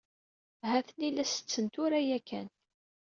Ha-ten-i la setten tura ya kan.